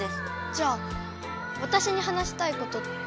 じゃあわたしに話したいことって。